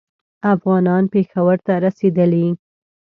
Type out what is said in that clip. افغانان پېښور ته رسېدلي.